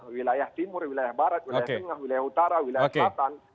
wilayah timur wilayah barat wilayah tengah wilayah utara wilayah selatan